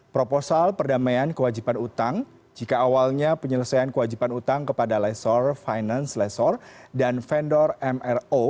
proposal perdamaian kewajiban utang jika awalnya penyelesaian kewajiban utang kepada lesor finance lesor dan vendor mro